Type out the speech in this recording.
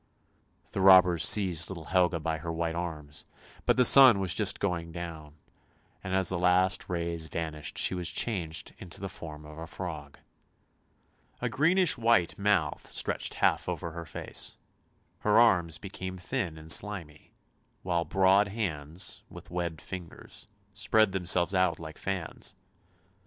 The robbers seized little Helga by her white arms, but the sun was just going down, and as the last rays vanished she was changed into the form of a frog. A greenish white mouth stretched half over her face; her arms became thin and slimy; while broad hands, with webbed fingers, spread themselves out like fans.